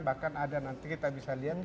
bahkan ada nanti kita bisa lihat